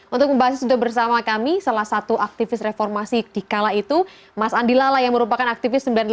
untuk membahasnya sudah bersama kami salah satu aktivis reformasi dikala itu mas andi lala yang merupakan aktivis sembilan puluh delapan